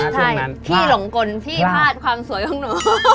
ใช่พี่หลงกลพี่พลาดความสวยของหนู